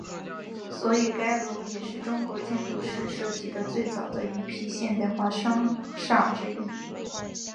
所以该楼也是中国建筑师设计的最早的一批现代化商厦之一。